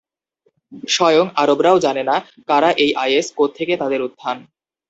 স্বয়ং আরবরাও জানে না কারা এই আইএস, কোত্থেকে তাদের উত্থান।